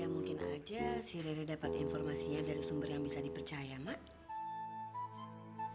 ya mungkin aja sirile dapat informasinya dari sumber yang bisa dipercaya mak